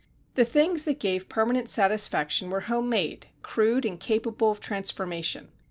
The things that gave permanent satisfaction were home made, crude and capable of transformation.